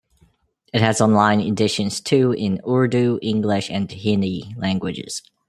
It has online editions too in Urdu, English and Hindi languages.